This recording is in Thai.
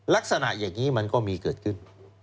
ลักษณะอย่างนี้มันก็มีเกิดขึ้น